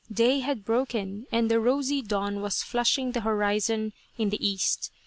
Day had broken, and the rosy dawn was flushing the horizon in the east.